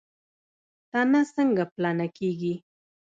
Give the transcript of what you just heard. تنه څنګه پلنه کیږي؟